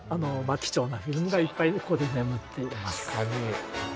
貴重なフィルムがいっぱいここで眠っています。